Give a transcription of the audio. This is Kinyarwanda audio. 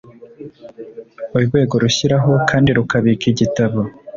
Urwego rushyiraho kandi rukabika igitabo